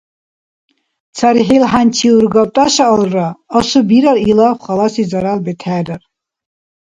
ЦархӀил хӀянчи ургаб тӀашаалра, асубирар, илаб халаси зарал бетхӀерар.